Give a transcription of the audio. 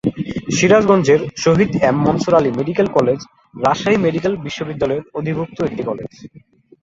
সিরাজগঞ্জের Shahid M Mansur Ali medical college Rajshahi medical বিশ্ববিদ্যালয়ের অধিভুক্ত একটি কলেজ।